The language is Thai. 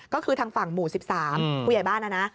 ก็คือทางฝั่งหมู่๑๓ผู้ใหญ่บ้านนะนะ